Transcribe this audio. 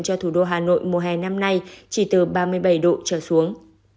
cho thủ đô hà nội mùa hè năm nay chỉ từ ba mươi bảy độ trở xuống